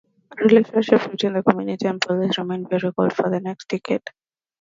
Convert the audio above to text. Relations between the community and the police remained very cold for the next decade.